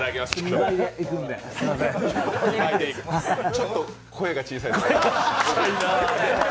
ちょっと声が小さいですよ。